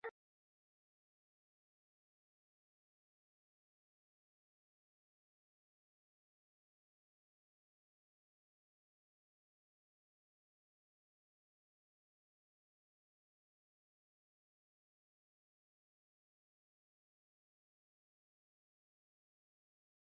اوبه هر کور ته ضروري دي.